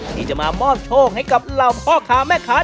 ที่จะมามอบโชคให้กับเหล่าพ่อค้าแม่ค้า